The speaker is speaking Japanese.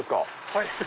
はい。